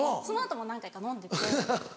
その後も何回か飲んでて。